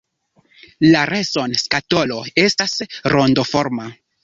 La reson-skatolo estas rondoforma.